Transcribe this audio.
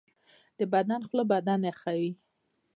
د بدن خوله بدن یخوي